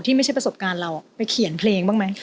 ไม่ใช่ประสบการณ์เราไปเขียนเพลงบ้างไหม